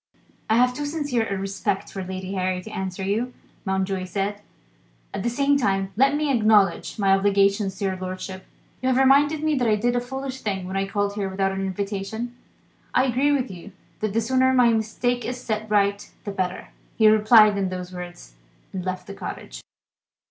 "I have too sincere a respect for Lady Harry to answer you," Mountjoy said. "At the same time, let me acknowledge my obligations to your lordship. You have reminded me that I did a foolish thing when I called here without an invitation. I agree with you that the sooner my mistake is set right the better." He replied in those words, and left the cottage.